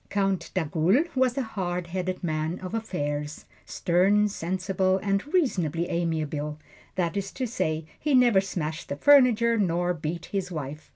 Count d'Agoult was a hard headed man of affairs stern, sensible and reasonably amiable that is to say, he never smashed the furniture, nor beat his wife.